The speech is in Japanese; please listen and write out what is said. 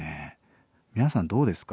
皆さんどうですか？